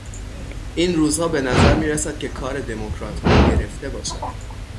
این روزها به نظر میرسد که کار دمکراتها گرفته باشد.